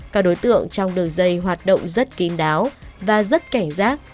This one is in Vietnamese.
các đối tượng trong đường dây hoạt động rất kín đáo và rất cảnh giác